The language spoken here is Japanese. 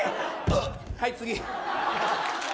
はい、次。